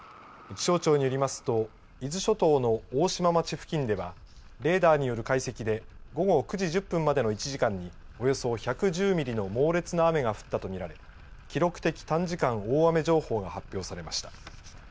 気象庁によりますと伊豆諸島の大島町付近ではレーダーによる解析で午後９時１０分までの１時間におよそ１１０ミリの猛烈な雨が降ったとみられ記録的短時間大雨情報が発表されました。